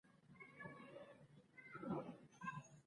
د مېلو پر مهال خلک یو له بله زدهکړې ته چمتو يي.